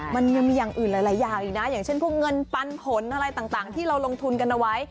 มันยังมีอย่างอื่นหลายอย่างอีกนะอย่างเช่นพวกเงินปันผลอะไรต่างที่เราลงทุนกันเอาไว้